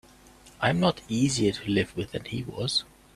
I'm not easier to live with than he was.